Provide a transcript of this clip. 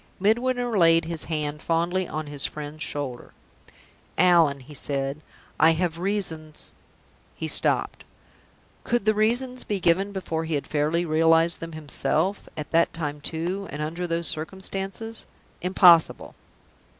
Midwinter laid his hand fondly on his friend's shoulder. "Allan," he said, "I have reasons " He stopped. Could the reasons be given before he had fairly realized them himself; at that time, too, and under those circumstances? Impossible!